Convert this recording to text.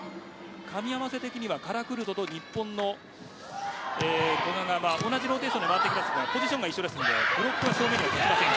かみ合わせ的には、カラクルトと日本の古賀が同じローテーションに回ってきますがポジションは同じなのでブロックは正面です。